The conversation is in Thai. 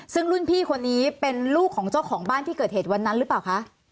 ซึ่งรุ่นพี่คนนี้เป็นลูกของเจ้าของบ้านที่เกิดเหตุวันนั้นหรือเปล่าคะ